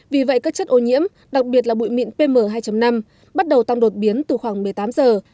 vì vậy các chất ô nhiễm đặc biệt là bụi mịn pm hai năm bắt đầu tăng đột biến từ khoảng một mươi tám giờ